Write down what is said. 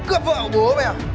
đi cướp vào bộ bây giờ